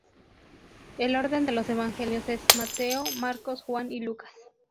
El orden de los Evangelios es Mateo, Marcos, Juan y Lucas.